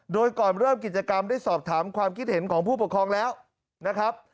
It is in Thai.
โดยก่อนเริ่มกิจกรรมได้สอบถามความคิดเห็นของผู้ปกครองแล้วนะครับ